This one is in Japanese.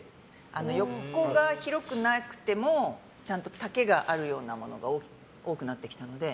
横が広くなくてもちゃんと丈があるものが多くなってきたので。